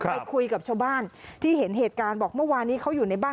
ไปคุยกับชาวบ้านที่เห็นเหตุการณ์บอกเมื่อวานี้เขาอยู่ในบ้าน